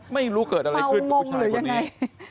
ไม่รู้เกิดอะไรขึ้นกับผู้ชายยังไง